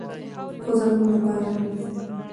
خو زموږ لپاره نه و.